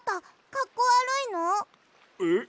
かっこわるいの？え？